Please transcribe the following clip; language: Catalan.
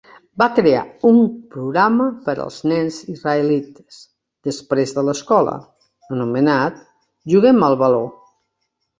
Va crear un programa per als nens israelites després de l'escola, anomenat "Juguem al baló!"